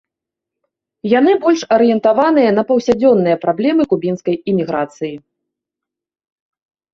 Яны больш арыентаваныя на паўсядзённыя праблемы кубінскай іміграцыі.